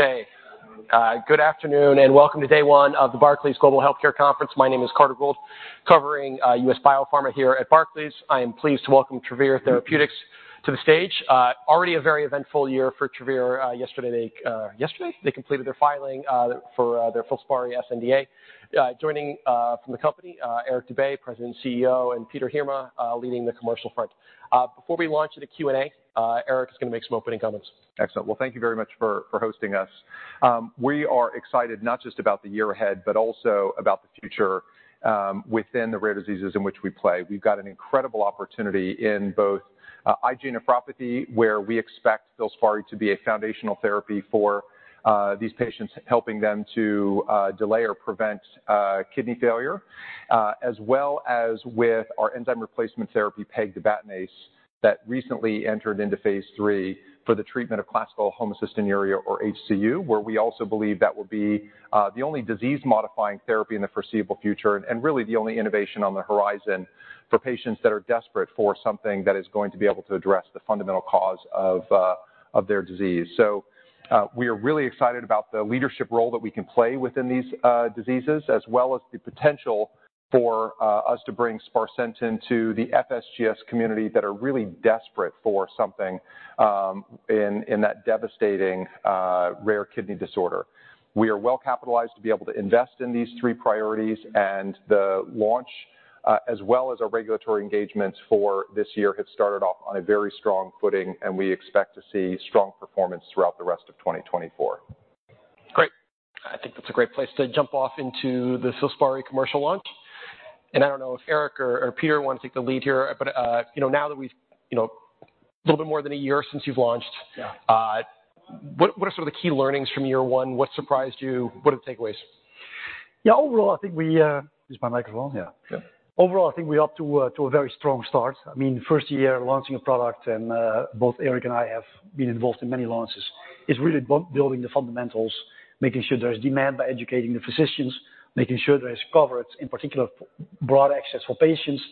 Okay, good afternoon and welcome to day one of the Barclays Global Healthcare Conference. My name is Carter Gould, covering US biopharma here at Barclays. I am pleased to welcome Travere Therapeutics to the stage. Already a very eventful year for Travere. Yesterday they completed their filing for their FILSPARI sNDA. Joining from the company, Eric Dube, President and CEO, and Peter Heerma leading the commercial front. Before we launch into Q&A, Eric is going to make some opening comments. Excellent. Well, thank you very much for hosting us. We are excited not just about the year ahead, but also about the future within the rare diseases in which we play. We've got an incredible opportunity in both IgA nephropathy, where we expect FILSPARI to be a foundational therapy for these patients, helping them to delay or prevent kidney failure, as well as with our enzyme replacement therapy, pegtibatinase, that recently entered into phase 3 for the treatment of classical homocystinuria, or HCU, where we also believe that will be the only disease-modifying therapy in the foreseeable future, and really the only innovation on the horizon for patients that are desperate for something that is going to be able to address the fundamental cause of their disease. We are really excited about the leadership role that we can play within these diseases, as well as the potential for us to bring sparsentan to the FSGS community that are really desperate for something in that devastating rare kidney disorder. We are well capitalized to be able to invest in these three priorities, and the launch, as well as our regulatory engagements for this year, have started off on a very strong footing, and we expect to see strong performance throughout the rest of 2024. Great. I think that's a great place to jump off into the FILSPARI commercial launch. And I don't know if Eric or Peter want to take the lead here, but now that we've a little bit more than a year since you've launched, what are sort of the key learnings from year one? What surprised you? What are the takeaways? Yeah, overall, I think we use my mic as well. Yeah. Overall, I think we are up to a very strong start. I mean, first year, launching a product, and both Eric and I have been involved in many launches, is really building the fundamentals, making sure there's demand by educating the physicians, making sure there's coverage, in particular broad access for patients,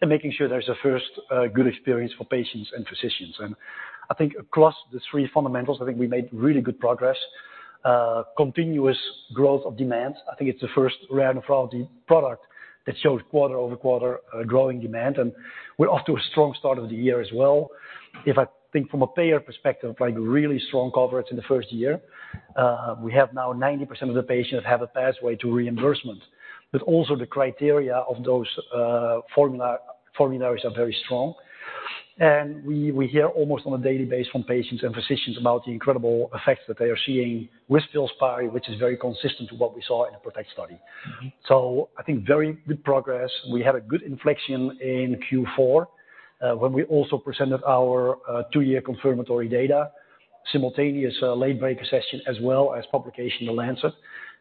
and making sure there's a first good experience for patients and physicians. And I think across the three fundamentals, I think we made really good progress. Continuous growth of demand, I think it's the first rare nephropathy product that showed quarter-over-quarter growing demand, and we're off to a strong start of the year as well. If I think from a payer perspective, really strong coverage in the first year. We have now 90% of the patients that have a pathway to reimbursement, but also the criteria of those formularies are very strong. And we hear almost on a daily basis from patients and physicians about the incredible effects that they are seeing with FILSPARI, which is very consistent with what we saw in the PROTECT study. So I think very good progress. We had a good inflection in Q4 when we also presented our two-year confirmatory data, simultaneous late breaker session, as well as publication in The Lancet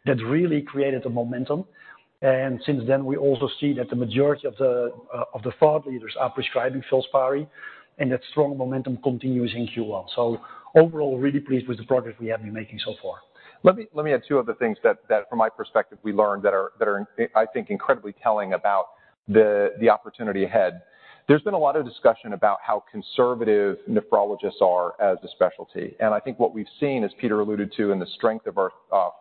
that really created a momentum. And since then, we also see that the majority of the thought leaders are prescribing FILSPARI, and that strong momentum continues in Q1. So overall, really pleased with the progress we have been making so far. Let me add two other things that, from my perspective, we learned that are, I think, incredibly telling about the opportunity ahead. There's been a lot of discussion about how conservative nephrologists are as a specialty. And I think what we've seen, as Peter alluded to in the strength of our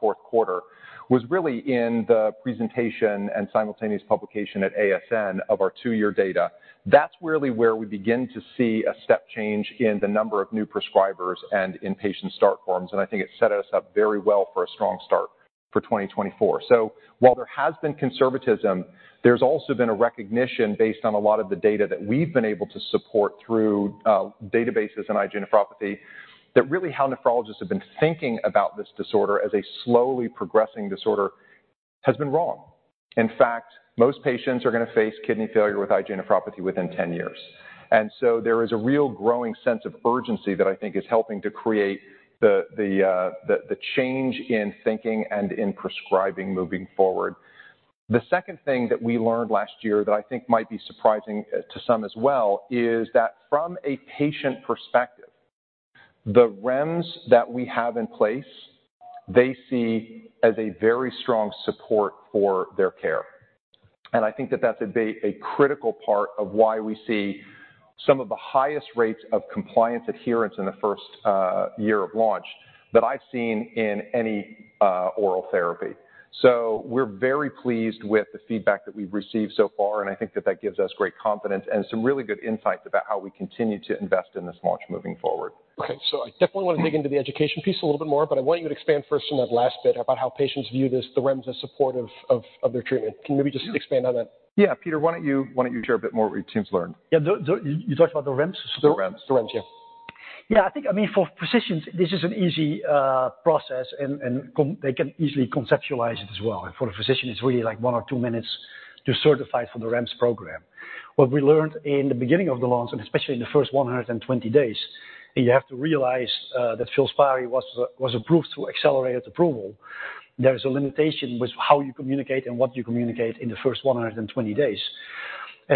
fourth quarter, was really in the presentation and simultaneous publication at ASN of our two-year data. That's really where we begin to see a step change in the number of new prescribers and in patient start forms. And I think it set us up very well for a strong start for 2024. So while there has been conservatism, there's also been a recognition based on a lot of the data that we've been able to support through databases and IgA nephropathy that really how nephrologists have been thinking about this disorder as a slowly progressing disorder has been wrong. In fact, most patients are going to face kidney failure with IgA nephropathy within 10 years. And so there is a real growing sense of urgency that I think is helping to create the change in thinking and in prescribing moving forward. The second thing that we learned last year that I think might be surprising to some as well is that from a patient perspective, the REMS that we have in place, they see as a very strong support for their care. And I think that that's a critical part of why we see some of the highest rates of compliance adherence in the first year of launch that I've seen in any oral therapy. We're very pleased with the feedback that we've received so far, and I think that that gives us great confidence and some really good insights about how we continue to invest in this launch moving forward. Okay. So I definitely want to dig into the education piece a little bit more, but I want you to expand first on that last bit about how patients view this, the REMS as supportive of their treatment. Can you maybe just expand on that? Yeah, Peter, why don't you share a bit more what your team's learned? Yeah, you talked about the REMS? The REMS. The REMS, yeah. Yeah, I think, I mean, for physicians, this is an easy process, and they can easily conceptualize it as well. For the physician, it's really like one or two minutes to certify for the REMS program. What we learned in the beginning of the launch, and especially in the first 120 days, and you have to realize that FILSPARI was approved through accelerated approval, there is a limitation with how you communicate and what you communicate in the first 120 days.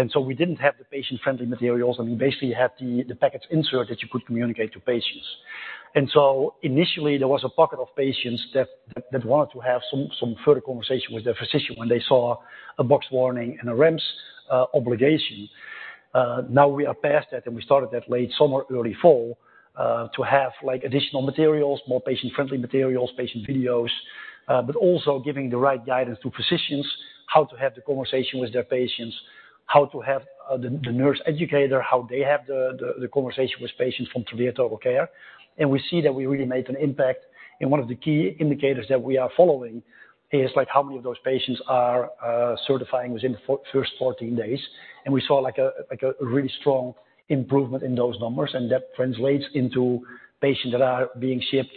So we didn't have the patient-friendly materials. I mean, basically, you had the package insert that you could communicate to patients. So initially, there was a pocket of patients that wanted to have some further conversation with their physician when they saw a box warning and a REMS obligation. Now we are past that, and we started that late summer, early fall, to have additional materials, more patient-friendly materials, patient videos, but also giving the right guidance to physicians, how to have the conversation with their patients, how to have the nurse educator, how they have the conversation with patients from Travere TotalCare. And we see that we really made an impact. And one of the key indicators that we are following is how many of those patients are certifying within the first 14 days. And we saw a really strong improvement in those numbers, and that translates into patients that are being shipped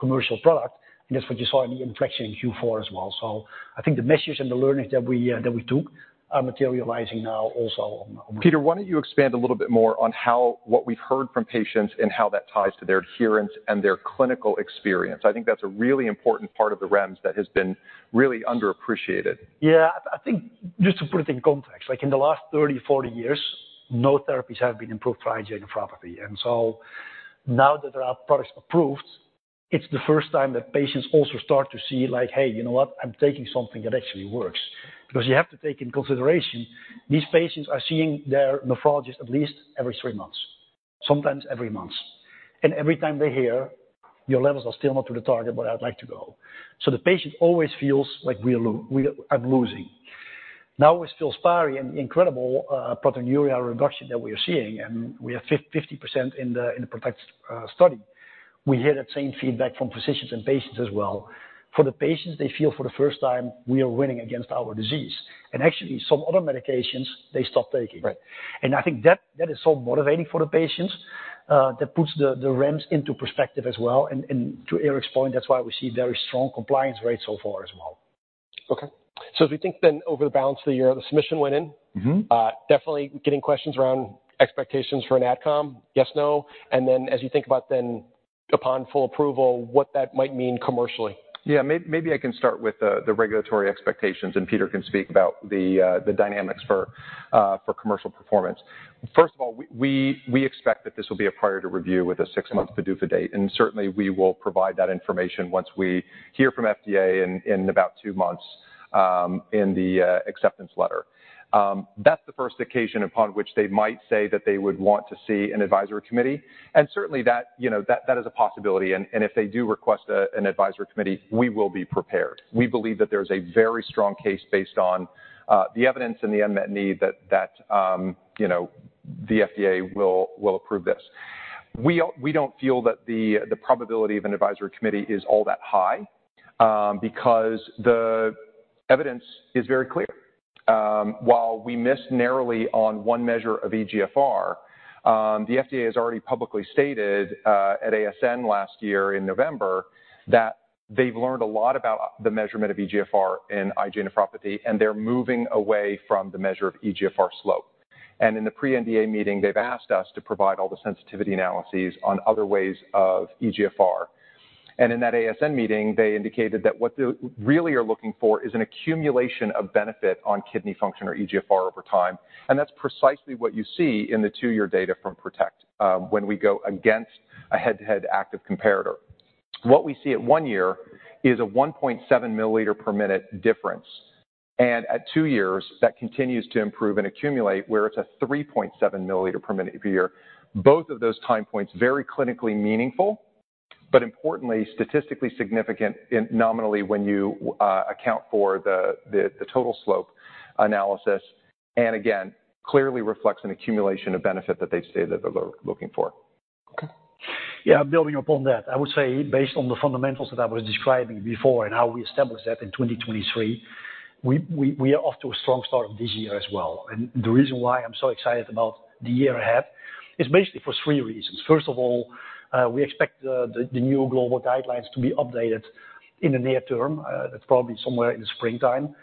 commercial product. And that's what you saw in the inflection in Q4 as well. So I think the messages and the learnings that we took are materializing now also on. Peter, why don't you expand a little bit more on what we've heard from patients and how that ties to their adherence and their clinical experience? I think that's a really important part of the REMS that has been really underappreciated. Yeah, I think just to put it in context, in the last 30-40 years, no therapies have been improved for IgA nephropathy. And so now that there are products approved, it's the first time that patients also start to see like, "Hey, you know what? I'm taking something that actually works." Because you have to take in consideration, these patients are seeing their nephrologist at least every three months, sometimes every month. And every time they hear, "Your levels are still not to the target, but I'd like to go." So the patient always feels like, "I'm losing." Now with FILSPARI and the incredible proteinuria reduction that we are seeing, and we have 50% in the PROTECT Study, we hear that same feedback from physicians and patients as well. For the patients, they feel for the first time, "We are winning against our disease." Actually, some other medications, they stop taking. I think that is so motivating for the patients. That puts the REMS into perspective as well. To Eric's point, that's why we see very strong compliance rates so far as well. Okay. So as we think then over the balance of the year, the submission went in. Definitely getting questions around expectations for an adcom, yes, no. And then as you think about then upon full approval, what that might mean commercially. Yeah, maybe I can start with the regulatory expectations, and Peter can speak about the dynamics for commercial performance. First of all, we expect that this will be a priority review with a six month PDUFA date. And certainly, we will provide that information once we hear from FDA in about two months in the acceptance letter. That's the first occasion upon which they might say that they would want to see an advisory committee. And certainly, that is a possibility. And if they do request an advisory committee, we will be prepared. We believe that there is a very strong case based on the evidence and the unmet need that the FDA will approve this. We don't feel that the probability of an advisory committee is all that high because the evidence is very clear. While we missed narrowly on one measure of eGFR, the FDA has already publicly stated at ASN last year in November that they've learned a lot about the measurement of eGFR in IgA nephropathy, and they're moving away from the measure of eGFR slope. In the pre-NDA meeting, they've asked us to provide all the sensitivity analyses on other ways of eGFR. In that ASN meeting, they indicated that what they really are looking for is an accumulation of benefit on kidney function or eGFR over time. That's precisely what you see in the two-year data from PROTECT when we go against a head-to-head active comparator. What we see at one year is a 1.7 milliliter per minute difference. At two years, that continues to improve and accumulate, where it's a 3.7 milliliter per minute per year. Both of those time points, very clinically meaningful, but importantly, statistically significant nominally when you account for the total slope analysis. And again, clearly reflects an accumulation of benefit that they've stated that they're looking for. Okay. Yeah, building upon that, I would say based on the fundamentals that I was describing before and how we established that in 2023, we are off to a strong start of this year as well. And the reason why I'm so excited about the year ahead is basically for three reasons. First of all, we expect the new global guidelines to be updated in the near term. That's probably somewhere in the springtime.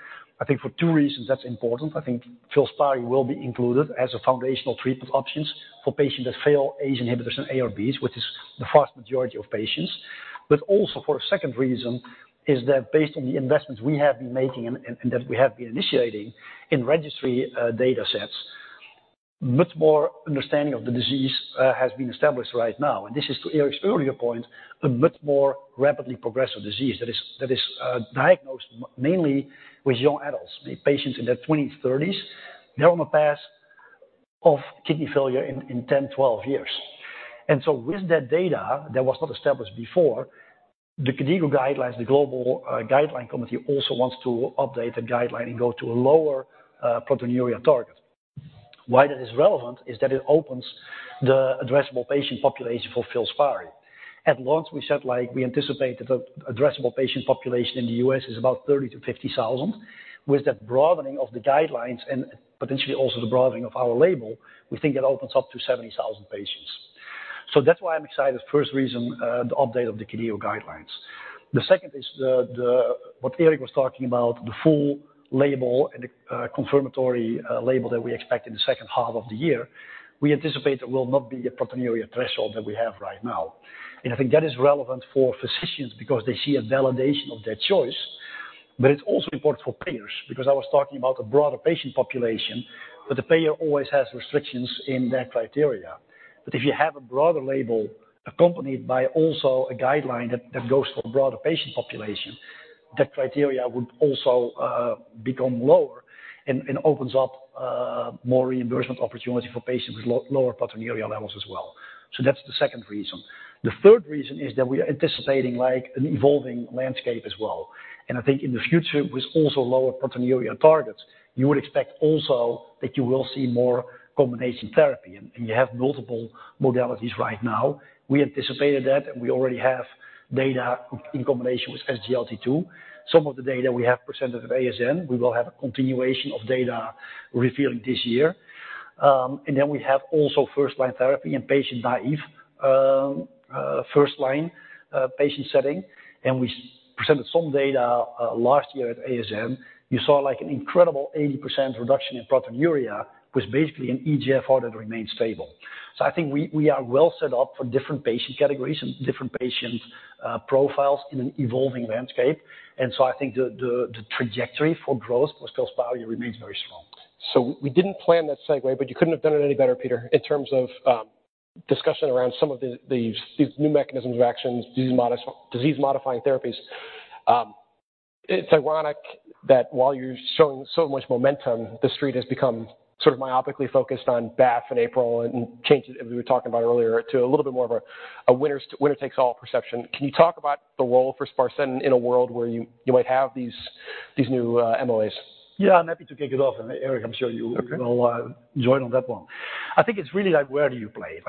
I think for two reasons, that's important. I think FILSPARI will be included as a foundational treatment option for patients that fail ACE inhibitors and ARBs, which is the vast majority of patients. But also for a second reason is that based on the investments we have been making and that we have been initiating in registry data sets, much more understanding of the disease has been established right now. This is, to Eric's earlier point, a much more rapidly progressive disease that is diagnosed mainly with young adults, patients in their 20s, 30s. They're on a path of kidney failure in 10, 12 years. And so with that data that was not established before, the KDIGO guidelines, the global guideline committee also wants to update the guideline and go to a lower proteinuria target. Why that is relevant is that it opens the addressable patient population for FILSPARI. At launch, we said we anticipate that the addressable patient population in the U.S. is about 30-50,000. With that broadening of the guidelines and potentially also the broadening of our label, we think that opens up to 70,000 patients. So that's why I'm excited. First reason, the update of the KDIGO guidelines. The second is what Eric was talking about, the full label and the confirmatory label that we expect in the second half of the year. We anticipate there will not be a proteinuria threshold that we have right now. And I think that is relevant for physicians because they see a validation of their choice. But it's also important for payers because I was talking about a broader patient population, but the payer always has restrictions in their criteria. But if you have a broader label accompanied by also a guideline that goes for a broader patient population, that criteria would also become lower and opens up more reimbursement opportunity for patients with lower proteinuria levels as well. So that's the second reason. The third reason is that we are anticipating an evolving landscape as well. I think in the future, with also lower proteinuria targets, you would expect also that you will see more combination therapy. You have multiple modalities right now. We anticipated that, and we already have data in combination with SGLT2. Some of the data we have presented at ASN, we will have a continuation of data revealing this year. Then we have also first-line therapy and patient naïve first-line patient setting. We presented some data last year at ASN. You saw an incredible 80% reduction in proteinuria with basically an eGFR that remained stable. I think we are well set up for different patient categories and different patient profiles in an evolving landscape. I think the trajectory for growth for FILSPARI remains very strong. So we didn't plan that segue, but you couldn't have done it any better, Peter, in terms of discussion around some of these new mechanisms of actions, disease-modifying therapies. It's ironic that while you're showing so much momentum, the street has become sort of myopically focused on BLA in April and changes, as we were talking about earlier, to a little bit more of a winner-takes-all perception. Can you talk about the role for sparsentan in a world where you might have these new MOAs? Yeah, I'm happy to kick it off. And Eric, I'm sure you will join on that one. I think it's really where do you play?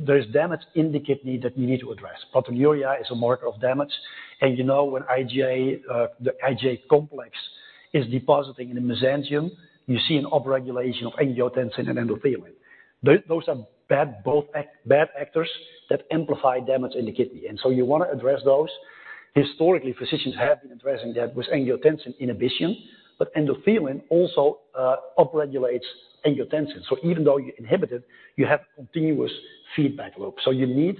There's damage in the kidney that you need to address. Proteinuria is a marker of damage. And when IgA, the IgA complex, is depositing in the mesangium, you see an upregulation of angiotensin and endothelin. Those are bad actors that amplify damage in the kidney. And so you want to address those. Historically, physicians have been addressing that with angiotensin inhibition, but endothelin also upregulates angiotensin. So even though you inhibit it, you have a continuous feedback loop. So you need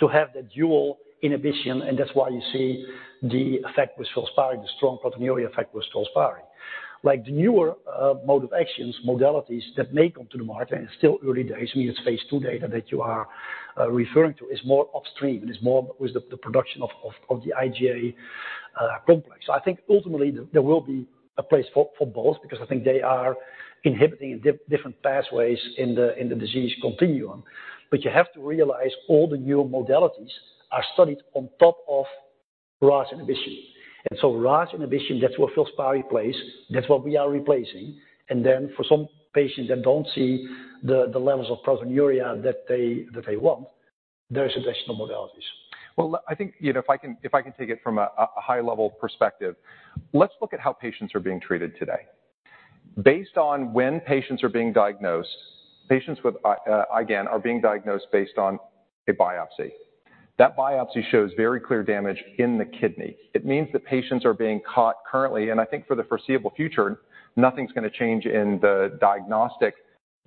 to have that dual inhibition. And that's why you see the effect with FILSPARI, the strong proteinuria effect with FILSPARI. The newer modes of action, modalities that may come to the market, and it's still early days. I mean, it's phase 2 data that you are referring to is more upstream and is more with the production of the IgA complex. So I think ultimately, there will be a place for both because I think they are inhibiting in different pathways in the disease continuum. But you have to realize all the new modalities are studied on top of RAS inhibition. And so RAS inhibition, that's where FILSPARI's place. That's what we are replacing. And then for some patients that don't see the levels of proteinuria that they want, there are additional modalities. Well, I think if I can take it from a high-level perspective, let's look at how patients are being treated today. Based on when patients are being diagnosed, patients with IgAN are being diagnosed based on a biopsy. That biopsy shows very clear damage in the kidney. It means that patients are being caught currently. And I think for the foreseeable future, nothing's going to change in the diagnostic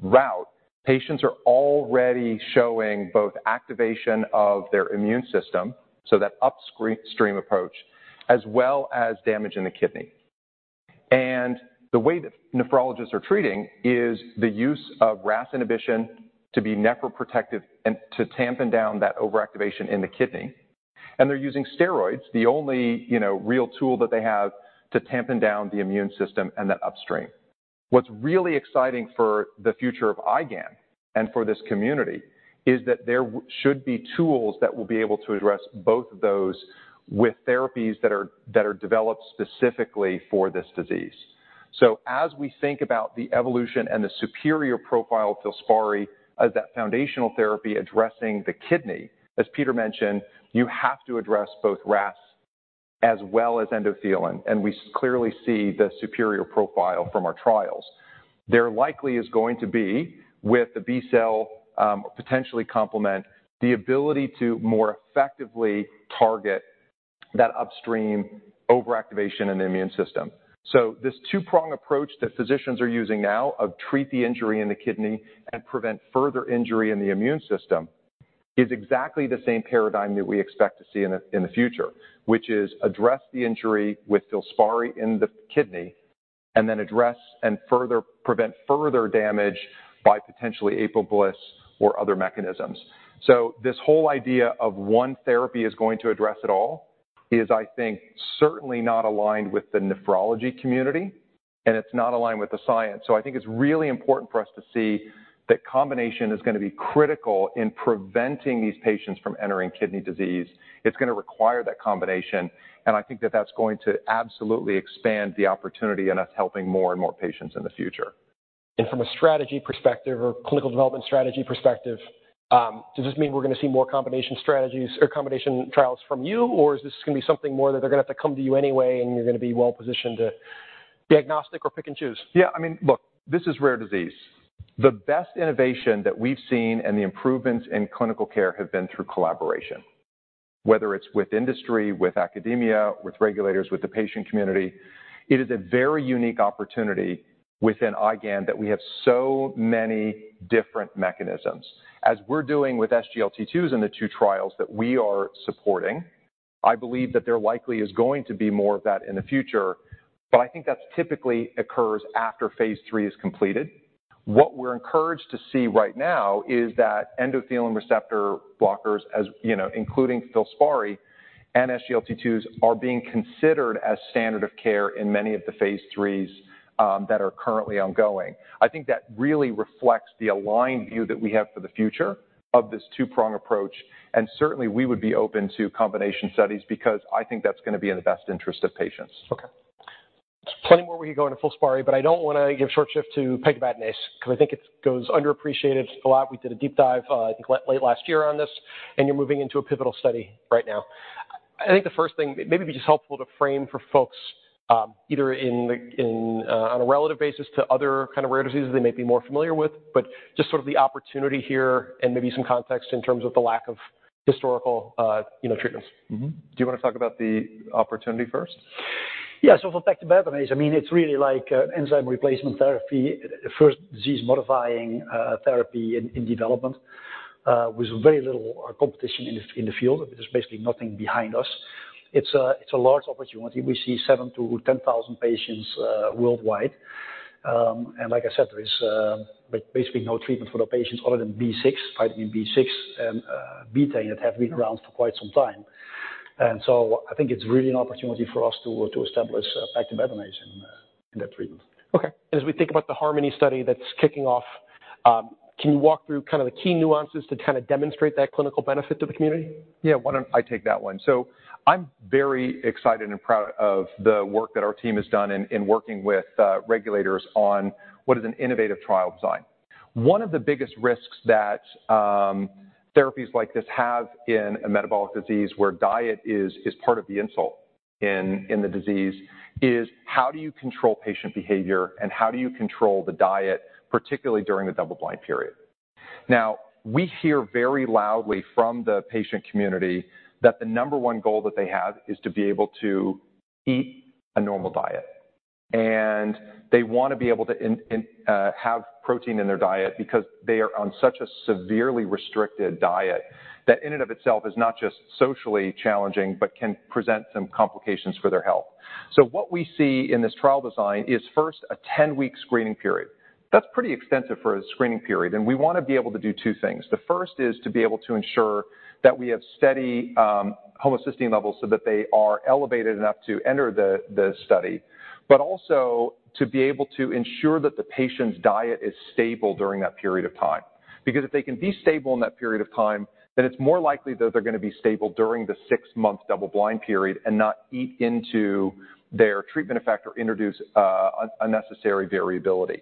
route. Patients are already showing both activation of their immune system, so that upstream approach, as well as damage in the kidney. And the way that nephrologists are treating is the use of RAS inhibition to be nephroprotective and to tamp down that overactivation in the kidney. And they're using steroids, the only real tool that they have to tamp down the immune system and that upstream. What's really exciting for the future of IgAN and for this community is that there should be tools that will be able to address both of those with therapies that are developed specifically for this disease. So as we think about the evolution and the superior profile of FILSPARI as that foundational therapy addressing the kidney, as Peter mentioned, you have to address both RAS as well as endothelin. We clearly see the superior profile from our trials. There likely is going to be, with the B cell, potentially complement, the ability to more effectively target that upstream overactivation in the immune system. So this two-pronged approach that physicians are using now of treat the injury in the kidney and prevent further injury in the immune system is exactly the same paradigm that we expect to see in the future, which is address the injury with FILSPARI in the kidney and then address and prevent further damage by potentially APRIL/BLyS or other mechanisms. So this whole idea of one therapy is going to address it all is, I think, certainly not aligned with the nephrology community. And it's not aligned with the science. So I think it's really important for us to see that combination is going to be critical in preventing these patients from entering kidney disease. It's going to require that combination. And I think that that's going to absolutely expand the opportunity in us helping more and more patients in the future. From a strategy perspective or clinical development strategy perspective, does this mean we're going to see more combination strategies or combination trials from you, or is this going to be something more that they're going to have to come to you anyway and you're going to be well-positioned to diagnostic or pick and choose? Yeah. I mean, look, this is rare disease. The best innovation that we've seen and the improvements in clinical care have been through collaboration, whether it's with industry, with academia, with regulators, with the patient community. It is a very unique opportunity within IgAN that we have so many different mechanisms. As we're doing with SGLT2s in the two trials that we are supporting, I believe that there likely is going to be more of that in the future. But I think that typically occurs after phase three is completed. What we're encouraged to see right now is that endothelin receptor blockers, including FILSPARI and SGLT2s, are being considered as standard of care in many of the phase threes that are currently ongoing. I think that really reflects the aligned view that we have for the future of this two-pronged approach. Certainly, we would be open to combination studies because I think that's going to be in the best interest of patients. Okay. There's plenty more where you go into FILSPARI, but I don't want to give short shrift to Peter Heerma because I think it goes underappreciated a lot. We did a deep dive, I think, late last year on this. You're moving into a pivotal study right now. I think the first thing, it may be just helpful to frame for folks either on a relative basis to other kind of rare diseases they may be more familiar with, but just sort of the opportunity here and maybe some context in terms of the lack of historical treatments. Do you want to talk about the opportunity first? Yeah. So for pegtibatinase, I mean, it's really like enzyme replacement therapy, first disease-modifying therapy in development with very little competition in the field. There's basically nothing behind us. It's a large opportunity. We see 7,000-10,000 patients worldwide. And like I said, there is basically no treatment for the patients other than B6, vitamin B6, and betaine that have been around for quite some time. And so I think it's really an opportunity for us to establish pegtibatinase in that treatment. Okay. As we think about the HARMONY Study that's kicking off, can you walk through kind of the key nuances to kind of demonstrate that clinical benefit to the community? Yeah. Why don't I take that one? So I'm very excited and proud of the work that our team has done in working with regulators on what is an innovative trial design. One of the biggest risks that therapies like this have in a metabolic disease where diet is part of the insult in the disease is how do you control patient behavior and how do you control the diet, particularly during the double-blind period? Now, we hear very loudly from the patient community that the number one goal that they have is to be able to eat a normal diet. And they want to be able to have protein in their diet because they are on such a severely restricted diet that in and of itself is not just socially challenging, but can present some complications for their health. What we see in this trial design is first a 10-week screening period. That's pretty extensive for a screening period. We want to be able to do two things. The first is to be able to ensure that we have steady homocysteine levels so that they are elevated enough to enter the study, but also to be able to ensure that the patient's diet is stable during that period of time. Because if they can be stable in that period of time, then it's more likely that they're going to be stable during the six month double-blind period and not eat into their treatment effect or introduce unnecessary variability.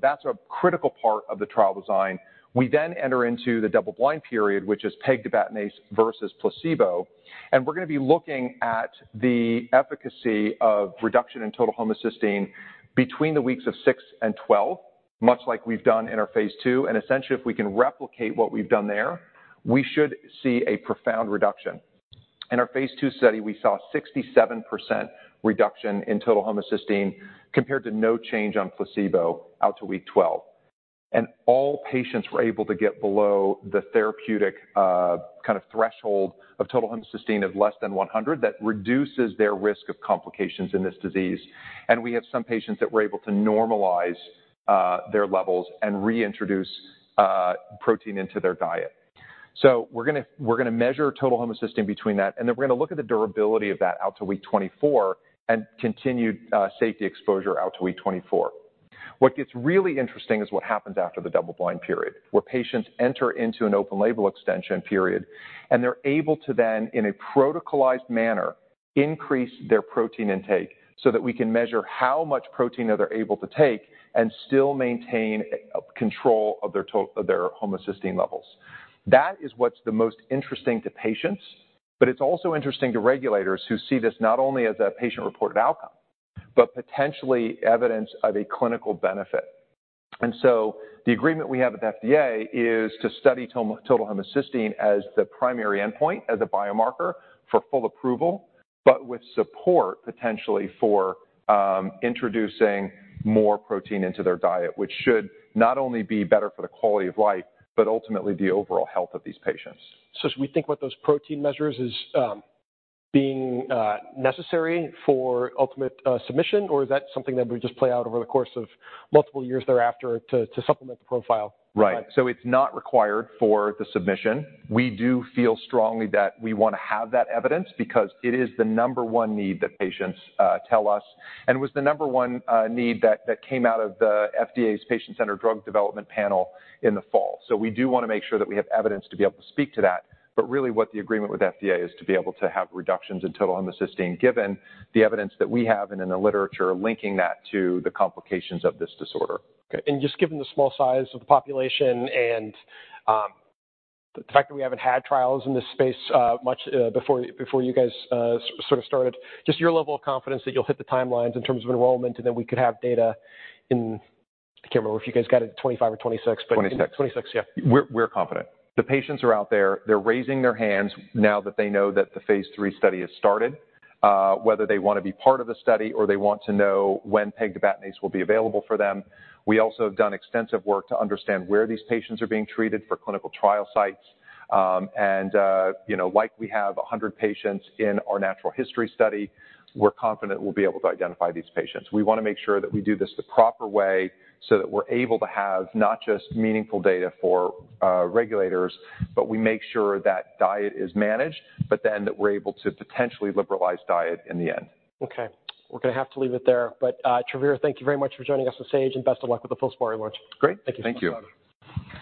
That's a critical part of the trial design. We enter into the double-blind period, which is pegtibatinase versus placebo. We're going to be looking at the efficacy of reduction in total homocysteine between weeks of six and 12, much like we've done in our phase 2. Essentially, if we can replicate what we've done there, we should see a profound reduction. In our phase 2 study, we saw 67% reduction in total homocysteine compared to no change on placebo out to week 12. All patients were able to get below the therapeutic kind of threshold of total homocysteine of less than 100 that reduces their risk of complications in this disease. We have some patients that were able to normalize their levels and reintroduce protein into their diet. So we're going to measure total homocysteine between that. Then we're going to look at the durability of that out to week 24 and continued safety exposure out to week 24. What gets really interesting is what happens after the double-blind period, where patients enter into an open-label extension period, and they're able to then, in a protocolized manner, increase their protein intake so that we can measure how much protein they're able to take and still maintain control of their homocysteine levels. That is what's the most interesting to patients. But it's also interesting to regulators who see this not only as a patient-reported outcome, but potentially evidence of a clinical benefit. And so the agreement we have with FDA is to study total homocysteine as the primary endpoint, as a biomarker for full approval, but with support potentially for introducing more protein into their diet, which should not only be better for the quality of life, but ultimately the overall health of these patients. As we think about those protein measures, is it being necessary for ultimate submission, or is that something that would just play out over the course of multiple years thereafter to supplement the profile? Right. So it's not required for the submission. We do feel strongly that we want to have that evidence because it is the number one need that patients tell us and was the number one need that came out of the FDA's Patient-Centered Drug Development panel in the fall. So we do want to make sure that we have evidence to be able to speak to that. But really, what the agreement with FDA is to be able to have reductions in total homocysteine given the evidence that we have and in the literature linking that to the complications of this disorder. Okay. Just given the small size of the population and the fact that we haven't had trials in this space much before you guys sort of started, just your level of confidence that you'll hit the timelines in terms of enrollment and that we could have data in—I can't remember if you guys got it at 2025 or 2026, but. 2026. 2026. Yeah. We're confident. The patients are out there. They're raising their hands now that they know that the phase 3 study has started, whether they want to be part of the study or they want to know when pegtibatinase will be available for them. We also have done extensive work to understand where these patients are being treated for clinical trial sites. Like we have 100 patients in our natural history study, we're confident we'll be able to identify these patients. We want to make sure that we do this the proper way so that we're able to have not just meaningful data for regulators, but we make sure that diet is managed, but then that we're able to potentially liberalize diet in the end. Okay. We're going to have to leave it there. But Travere, thank you very much for joining us on stage, and best of luck with the FILSPARI launch. Great. Thank you. Thank you.